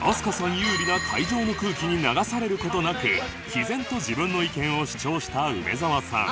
有利な会場の空気に流される事なく毅然と自分の意見を主張した梅澤さん